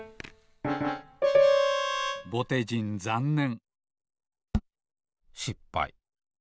ぼてじんざんねんしっぱい。